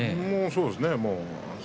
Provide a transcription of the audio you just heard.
そうですね。